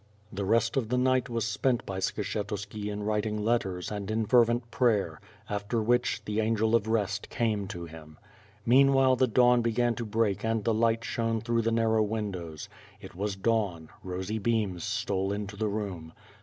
The rest of the night was spent by Skshetuski in writing letters and in fervent prayer, after which the angel of rest came to him. Meanwhile the dawn began to break and the light shone through the narrow windows. It was dawn — rosy beams stole into the room.